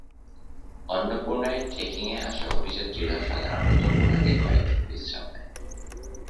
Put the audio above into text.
অন্নপূর্ণায় ট্রেকিং-এ আসা অভিযাত্রীরা সাধারণত মনাঙ-এ কয়েকদিন বিশ্রাম নেয়।